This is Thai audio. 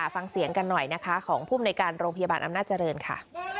ฟังเสียงกันหน่อยนะคะของภูมิในการโรงพยาบาลอำนาจเจริญค่ะ